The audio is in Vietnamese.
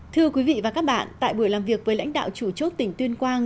thưa quý vị và các bạn tại buổi làm việc với lãnh đạo chủ chốt tỉnh tuyên quang